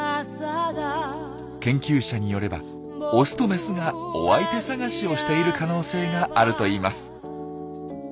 研究者によればオスとメスがお相手探しをしている可能性があるといいます。